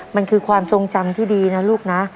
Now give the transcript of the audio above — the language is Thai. มันคือความทรงจำที่ดีนะลูกนะ